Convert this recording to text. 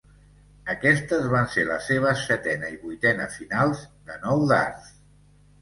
Aquestes van ser les seves setena i vuitena finals de nou dards.